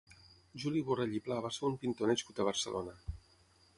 Juli Borrell i Pla va ser un pintor nascut a Barcelona.